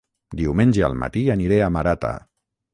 Diumenge al matí aniré a Marata